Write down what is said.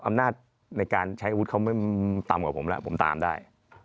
อำนาจในการใช้อาวุธเขาไม่ต่ำกว่าผมแล้วผมตามได้